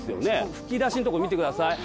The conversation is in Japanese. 吹き出しのとこ見てください。